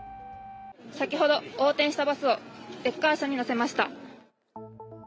先ほど横転したバスをレッカー車に載せました。